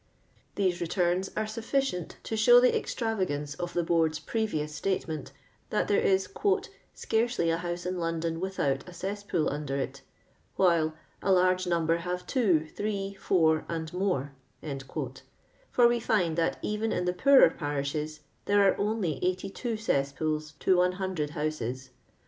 These returns are sufficient to show the ex travagance of the Board's previous statement, that there is *' scarcely a house in London without a cesspool under it,'* while a large number have two, three, four, and more," for we find that even in the poorer parishes there are only 82 cesspools to 100 houses.